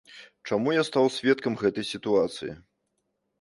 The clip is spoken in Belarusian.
Чаму я стаў сведкам гэтай сітуацыі?